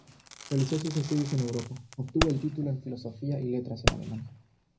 Realizó sus estudios en Europa, obtuvo el título en Filosofía y Letras en Alemania.